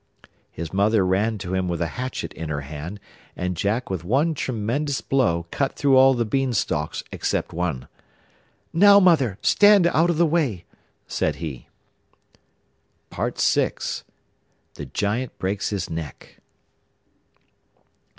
His mother ran to him with a hatchet in her hand, and Jack with one tremendous blow cut through all the Beanstalks except one. 'Now, mother, stand out of the way!' said he. THE GIANT BREAKS HIS NECK.